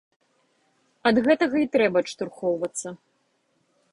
Ад гэтага і трэба адштурхоўвацца.